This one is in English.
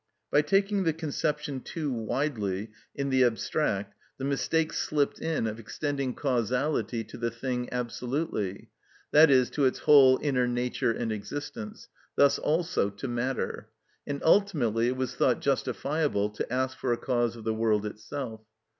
By taking the conception too widely in the abstract the mistake slipped in of extending causality to the thing absolutely, that is, to its whole inner nature and existence, thus also to matter, and ultimately it was thought justifiable to ask for a cause of the world itself.